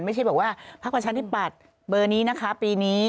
ไม่ใช่บอกว่าภารกาชาธิปัตภ์เบอร์คือนี้นะคะปีนี้